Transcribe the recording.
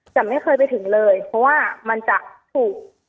แต่ไม่เคยไปถึงเลยเพราะว่ามันจะถูก